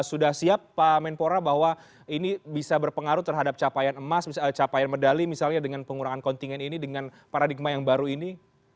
sudah siap pak menpora bahwa ini bisa berpengaruh terhadap capaian medali misalnya dengan pengurangan kontingen ini dengan paradigma yang baru ini